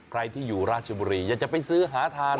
ใครที่อยู่ราชบุรีอยากจะไปซื้อหาทาน